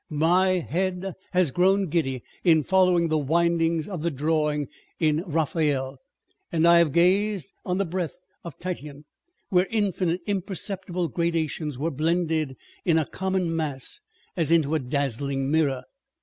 My bead has grown giddy in following the windings of the drawing in Raphael, and I have gazed on the breadth of Titian, where infinite imperceptible gradations were blended in a common mass, as into a dazzling mirror.